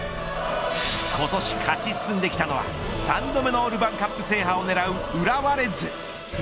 今年勝ち進んできたのは３度目のルヴァンカップ制覇を狙う浦和レッズ。